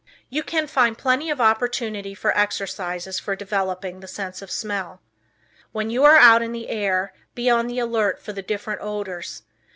You call find plenty of opportunity for exercises for developing the sense of smell. When you are out in the air, be on the alert for the different odors.